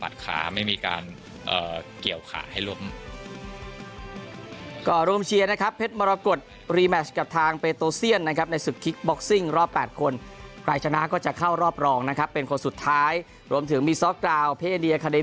เดี๋ยวต้องให้ขาเขาลงจากพื้นก็ออกแล้วแล้วถึงจะต่ออีกได้